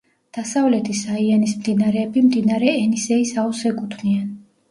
დასავლეთი საიანის მდინარეები მდინარე ენისეის აუზს ეკუთვნიან.